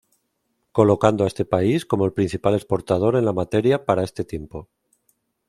Colocando a este país como el principal exportador en la materia, para este tiempo.